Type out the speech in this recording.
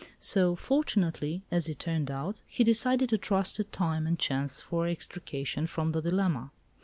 So, fortunately (as it turned out), he decided to trust to time and chance for extrication from the dilemma.